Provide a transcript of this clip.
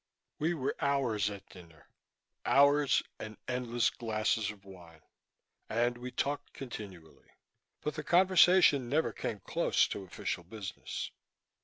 We were hours at dinner, hours and endless glasses of wine, and we talked continually. But the conversation never came close to official business.